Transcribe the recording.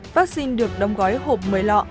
vaccine được đông gói hộp một mươi lọ